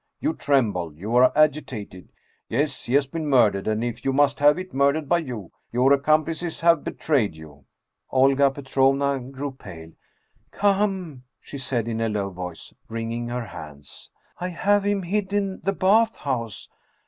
You tremble, you are agitated. Yes, he has been murdered, and, if you must have it, murdered by you ! Your accomplices have betrayed you !" Olga Petrovna grew pale. " Come !" she said in a low voice, wringing her hands. " I have him hid in the bath house